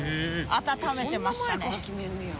温めてましたね。